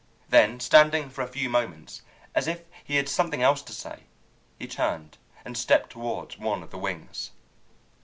Then, standing for a few moments as if he had something else to say, he turned and stepped toward one of the wings.